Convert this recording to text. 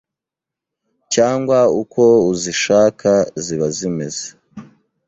cyangwa uko uzishaka ziba zimeze